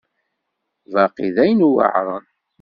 Baqi d ayen yuεren.